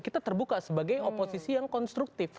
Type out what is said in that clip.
kita terbuka sebagai oposisi yang konstruktif